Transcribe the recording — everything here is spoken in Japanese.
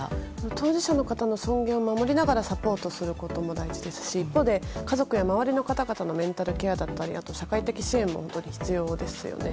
当事者の方の尊厳を守りながらサポートすることも大事ですし一方で家族や周りの方々のメンタルケアだったりあと、社会的支援も本当に必要ですよね。